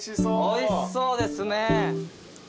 おいしそうですね。